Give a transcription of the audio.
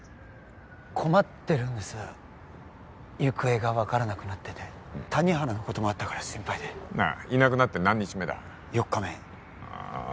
困ってるんです行方が分からなくなってて谷原のこともあったから心配でなあいなくなって何日目だ４日目ああ